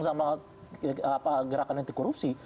sama gerakan anti korupsi